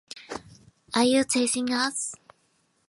Are you teasing us?